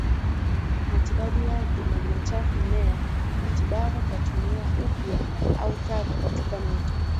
Matibabu yake maji machafu mmea matibabu kwa tumia upya au taka katika mito